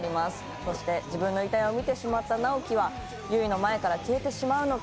そして自分の遺体を見てしまった直木は悠依の前から消えてしまうのか。